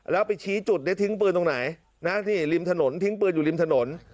แล้วไปชี้จุดได้ทิ้งปืนตรงไหนนะนี่ริมถนนทิ้งปืนอยู่ริมถนน